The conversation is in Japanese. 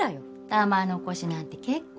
玉のこしなんて結構。